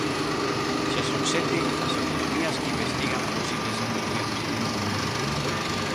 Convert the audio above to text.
Xa son sete as autonomías que investigan posibles infeccións.